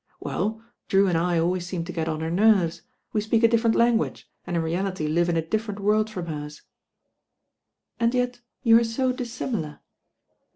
"Well, Drew and I always seem to get on her nerves. We speak a ditfcrcnt language, and in reality live m a diflferent world from hers." "And yet you are so dissimilar?"